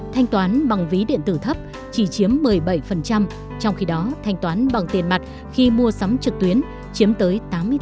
thanh toán bằng ví điện tử thấp chỉ chiếm một mươi bảy trong khi đó thanh toán bằng tiền mặt khi mua sắm trực tuyến chiếm tới tám mươi bốn